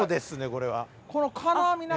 これは。